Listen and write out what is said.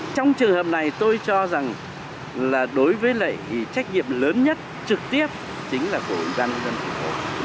trong trường hợp này tôi cho rằng là đối với lệ thì trách nhiệm lớn nhất trực tiếp chính là của ủy ban nhân dân thành phố